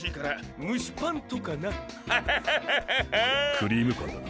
クリームパンだな。